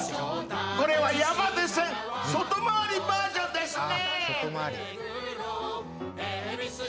これは山手線外回りバージョンですね！